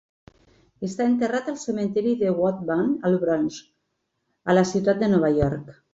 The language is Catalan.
Està enterrat al cementiri de Woodlawn, al Bronx, a la ciutat de Nova York.